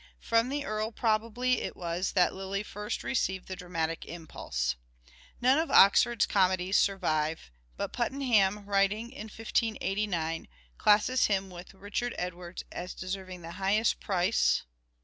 From the Earl probably it was that Lyly first received the dramatic impulse. None of Oxford's comedies survive, but Puttenham, writing in 1589, classes him with Richard Edwards as deserving the highest price